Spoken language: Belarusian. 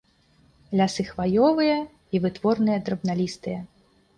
Лясы хваёвыя і вытворныя драбналістыя.